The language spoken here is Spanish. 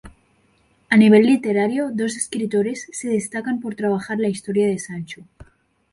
A nivel literario, dos escritores se destacan por trabajar la historia de Sancho.